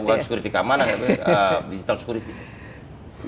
bukan security keamanan tapi digital security